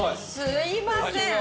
すいません。